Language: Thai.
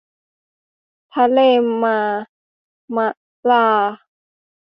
ทะเลมาร์มะรา